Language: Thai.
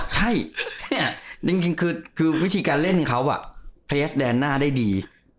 ใช่เนี่ยจริงคือวิธีการเล่นของเขาแบบพยายามแดนหน้าได้ดี